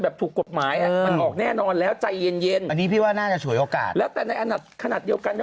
ถูกกฎหมายอ่ะมันออกแน่นอนแล้วใจเย็นเย็นอันนี้พี่ว่าน่าจะฉวยโอกาสแล้วแต่ในขณะเดียวกันนะ